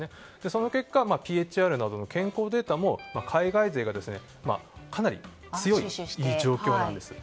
その結果ＰＨＲなどの健康データも海外勢がかなり強い状況なんです。